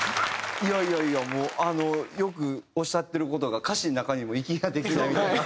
いやいやいやもうよくおっしゃってる事が歌詞の中にも「息もできないくらい」。